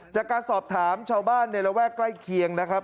จากการสอบถามชาวบ้านในระแวกใกล้เคียงนะครับ